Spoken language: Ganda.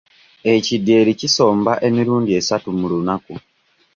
Ekidyeri kisomba emirundi esatu mu lunaku.